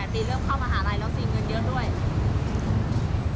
๑๘ปีเริ่มเข้ามหาลัยแล้วสิเงินเดียวด้วย